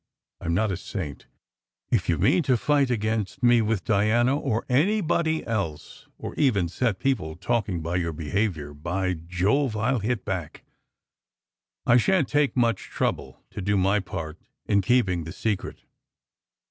I m not a saint. If you mean to fight against me with Diana, or anybody else, or even set people talking by your behaviour, by Jove! I ll hit back. I shan t take much trouble to do my part in keeping the secret."